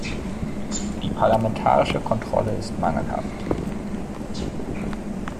Die parlamentarische Kontrolle ist mangelhaft.